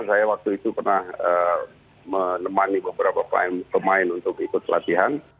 saya waktu itu pernah menemani beberapa pemain untuk ikut latihan